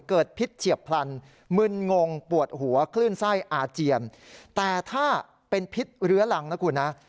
พิษเฉียบพลันมึนงงปวดหัวคลื่นไส้อาเจียนแต่ถ้าเป็นพิษเรื้อรังนะคุณนะ